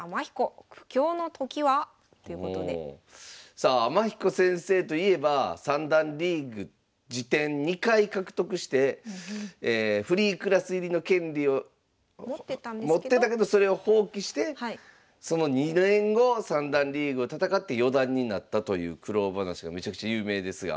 さあ天彦先生といえば三段リーグ次点２回獲得してフリークラス入りの権利を持ってたけどそれを放棄してその２年後三段リーグを戦って四段になったという苦労話がめちゃくちゃ有名ですが。